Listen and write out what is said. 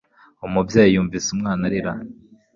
umubyeyi yumvishe umwana arira